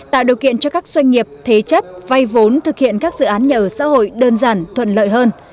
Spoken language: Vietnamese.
tạo điều kiện cho các doanh nghiệp thế chấp vay vốn thực hiện các dự án nhà ở xã hội đơn giản thuận lợi hơn